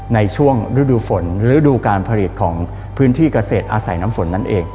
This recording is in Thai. ในช่วงฤดูฝนฤดูการผลิตของพื้นที่เกษตรอาศัยน้ำฝนนั่นเอง